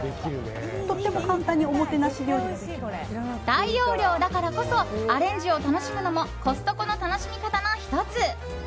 大容量だからこそアレンジを楽しむのもコストコの楽しみ方の１つ。